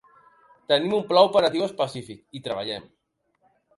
Tenim un pla operatiu específic, hi treballem.